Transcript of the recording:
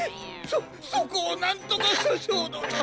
そそこをなんとかしゃしょうどの！